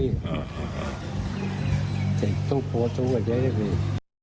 ตั้งใจทุกโปรดตุ๊กก็เย็นมากเลย